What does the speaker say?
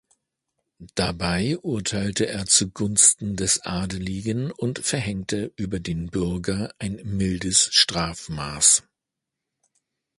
Dabei urteilte er zugunsten des Adligen und verhängte über den Bürger ein mildes Strafmaß.